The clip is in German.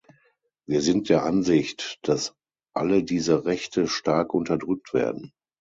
Wir sind der Ansicht, dass alle diese Rechte stark unterdrückt werden.